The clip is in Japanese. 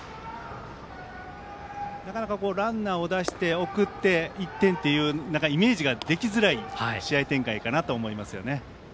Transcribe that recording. ランナーを出して、送って１点というイメージができづらい試合展開かなと思います。